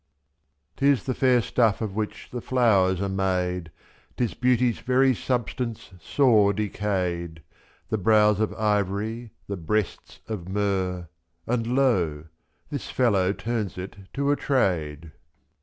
'Tis the fair stuff of which the flowers are made, 'Tis beauty's very substance sore decayed, /^^. The brows of ivory, the breasts of myrrh, — And lo! this fellow turns it to a trade.